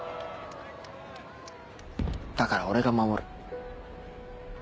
だから俺が守る。